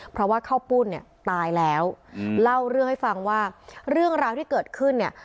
เพราะว่าข้าวปุ้นเนี่ยตายแล้วเล่าเรื่องให้ฟังว่าเรื่องราวที่เกิดขึ้นเนี่ย